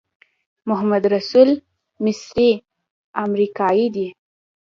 محمدرسول مصری امریکایی دی.